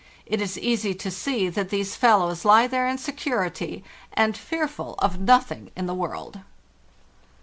It Is easy to see that these fellows lie there in security, and fearful of nothing in the world.